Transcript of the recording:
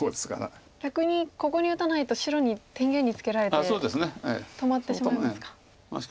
逆にここに打たないと白に天元にツケられて止まってしまいますか。